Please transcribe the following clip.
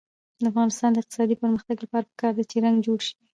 د افغانستان د اقتصادي پرمختګ لپاره پکار ده چې رنګ جوړ شي.